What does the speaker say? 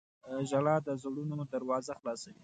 • ژړا د زړونو دروازه خلاصوي.